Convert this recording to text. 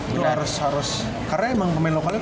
karena emang pemain lokalnya